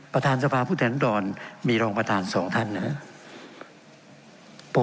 ประธานสภาพผู้แทนดรมีรองประธานสองท่านนะครับ